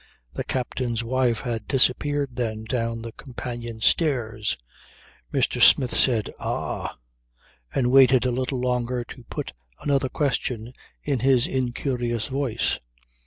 The captain's wife had disappeared then down the companion stairs. Mr. Smith said 'Ah!' and waited a little longer to put another question in his incurious voice.